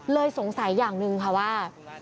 สงสัยอย่างหนึ่งค่ะว่า